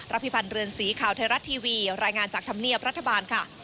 พิพันธ์เรือนสีข่าวไทยรัฐทีวีรายงานจากธรรมเนียบรัฐบาลค่ะ